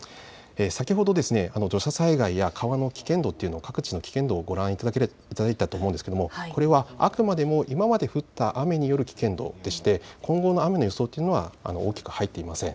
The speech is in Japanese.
先ほど土砂災害や川の危険度というのを各地の危険度をご覧いただいたと思うんですけど、これはあくまでも今まで降った雨による危険度でして、今後の雨の予想というのは大きく入っていません。